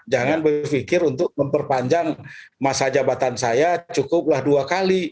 jangan berpikir untuk memperpanjang masa jabatan saya cukuplah dua kali